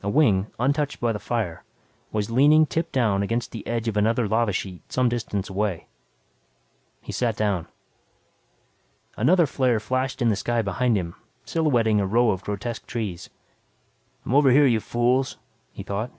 A wing, untouched by the fire, was leaning tip down against the edge of another lava sheet some distance away. He sat down. Another flare flashed in the sky behind him silhouetting a row of grotesque trees. I'm over here, you fools, he thought.